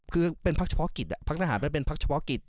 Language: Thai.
คือเป็นพรรคเฉพาะกิจพรรคทหารเป็นพรรคเฉพาะกิจ